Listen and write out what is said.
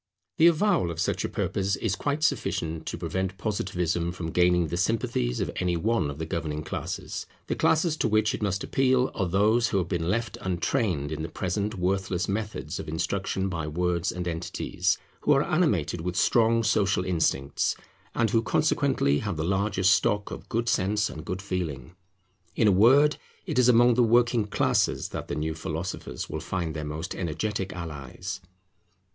The avowal of such a purpose is quite sufficient to prevent Positivism from gaining the sympathies of any one of the governing classes. The classes to which it must appeal are those who have been left untrained in the present worthless methods of instruction by words and entities, who are animated with strong social instincts, and who consequently have the largest stock of good sense and good feeling. In a word it is among the Working Classes that the new philosophers will find their most energetic allies.